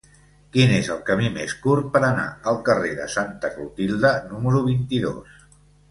Quin és el camí més curt per anar al carrer de Santa Clotilde número vint-i-dos?